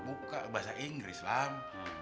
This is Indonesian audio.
bukan bahasa inggris lam